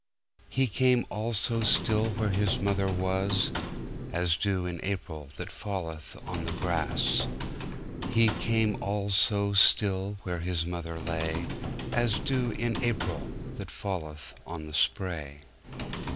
He came all so stillWhere His mother was, As dew in AprilThat falleth on the grass. He came all so stillWhere His mother lay, As dew in AprilThat falleth on the spray.